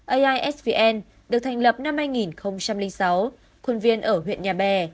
aisvn được thành lập năm hai nghìn sáu khuôn viên ở huyện nhà bè